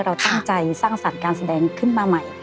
เราตั้งใจสร้างสรรค์การแสดงขึ้นมาใหม่